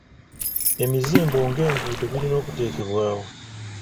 Emizimbo ng'enguudo birina okuteekebwawo.